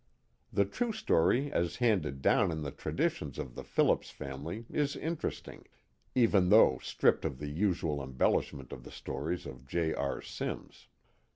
The true story as handed down in the traditions of the Phil lips family is interesting, even though stripped of the usual embellishment of the stories of J. R. Simms.